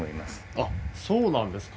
あっそうなんですか。